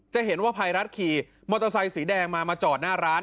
จะเห็นว่าภัยรัฐขี่มอเตอร์ไซค์สีแดงมามาจอดหน้าร้าน